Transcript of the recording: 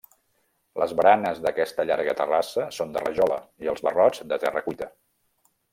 Les baranes d'aquesta llarga terrassa són de rajola i els barrots de terra cuita.